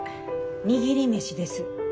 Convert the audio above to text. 握り飯です。